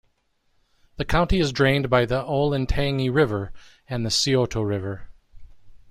The county is drained by the Olentangy River and the Scioto River.